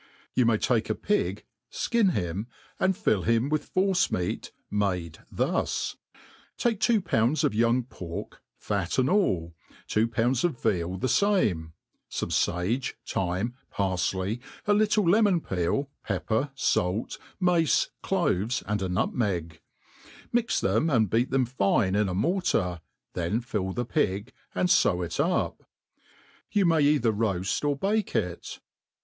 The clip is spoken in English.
• Yofi may take a pig, flcin him^ and fill him wlth^ force meat made thus : take two pounds of young pork, fat and all, two pounds of veal the fame^ fome ttfge, thyme, parfley, a little Icmon pcel, pepper, fait, nuce^ clovcsj and a nutmeg: mix' ' thenfi, and beat them fine in a mortar, then fill the pig, and few it up. You may either roaft or bake it.